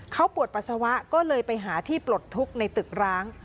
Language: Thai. เขาปวดปัสสาวะก็เลยไปหาที่ปลดทุกข์ในตึกร้าง